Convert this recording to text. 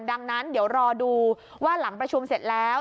ดังนั้นเดี๋ยวรอดูว่าหลังประชุมเสร็จแล้ว